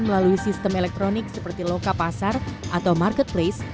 melalui sistem elektronik seperti loka pasar atau marketplace